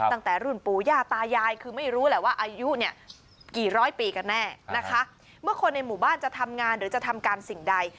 ตั้งแต่รุ่นปู่ย่าตายายคือไม่รู้แหละว่าอายุเนี่ยกี่ร้อยปีกันแน่นะคะเมื่อคนในหมู่บ้านจะทำงานหรือจะทำการสิ่งใด